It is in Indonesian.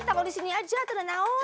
takut di sini aja tenang tenang